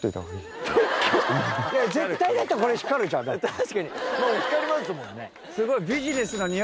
確かにもう光りますもんね。